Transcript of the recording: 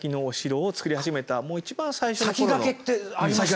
先駆けってありましたね。